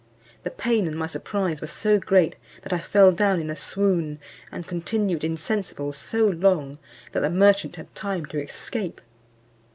The pain and my surprise were so great, that I fell down in a swoon, and continued insensible so long, that the merchant had time to escape.